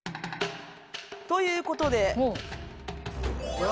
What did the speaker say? ということで。